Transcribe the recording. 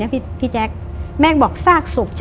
พี่แจ๊คแม่บอกซากสุก